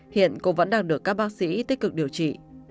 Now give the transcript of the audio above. hiện cũng vẫn đang được các bác sĩ tích cực điều trị